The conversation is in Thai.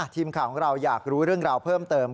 ทีมข่าวของเราอยากรู้เรื่องราวเพิ่มเติม